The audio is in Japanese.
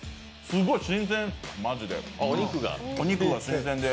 すごい新鮮です、マジで。